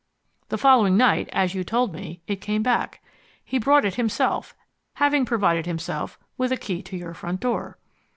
The following night, as you told me, it came back. He brought it himself, having provided himself with a key to your front door."